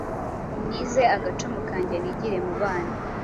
Untize agacumu kanjye nigire mu bana